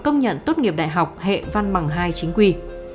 công nhận tốt nghiệp đại học hệ văn bằng hai chính quy